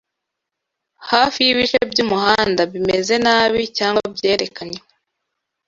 hafi y’ibice by’umuhanda bimeze nabi cyangwa byerekanywe